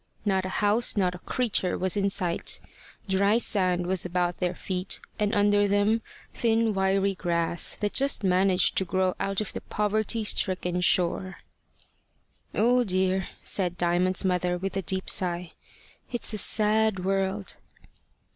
Not a house, not a creature was within sight. Dry sand was about their feet, and under them thin wiry grass, that just managed to grow out of the poverty stricken shore. "Oh dear!" said Diamond's mother, with a deep sigh, "it's a sad world!"